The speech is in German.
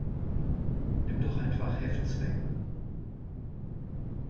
Nimm doch einfach Heftzwecken.